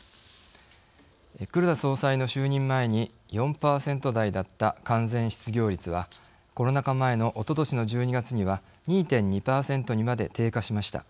黒田総裁の就任前に４％台だった完全失業率はコロナ禍前の一昨年の１２月には２．２％にまで低下しました。